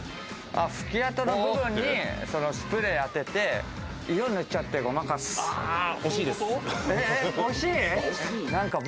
拭きあとの部分にスプレーをあてて色塗っちゃってごまかす。